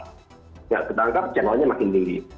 tidak ketangkap channelnya makin tinggi